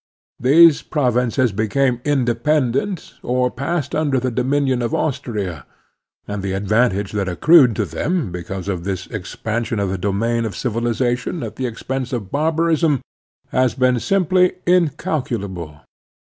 These provinces became independent or passed imder the dominion of Austria, and the advantage that accrued to them because of this expansion of the domain of civilization at the expense of barbarism has been simply incal culable.